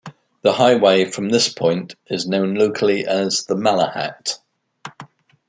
The highway from this point is known locally as the Malahat.